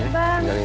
iya ada bang